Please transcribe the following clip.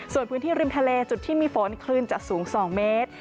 ส่วนพื้นที่ริมทะเลจุดที่มีฝนคลื่นจะสูง๒เมตร